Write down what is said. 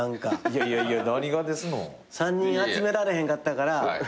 ３人集められへんかったから。